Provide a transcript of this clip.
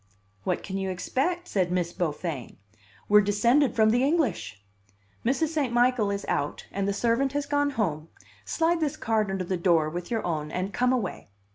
'What can you expect?' said Miss Beaufain; 'we're descended from the English.' Mrs. St. Michael is out, and the servant has gone home. Slide this card under the door, with your own, and come away."